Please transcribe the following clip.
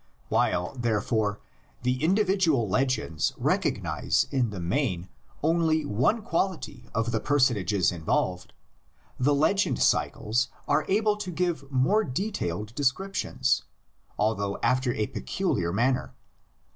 While, therefore, the individual legends recognise in the main only one quality of the personages involved, the legend cycles are able to give more detailed descriptions, although after a peculiar man ner.